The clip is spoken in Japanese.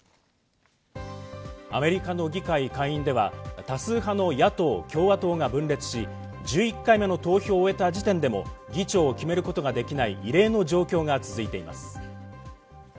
アメリカの議会下院では、多数派の野党・共和党が分裂し、１１回目の投票を終えた時点でも議長を決めることができない異例の状況が続いています。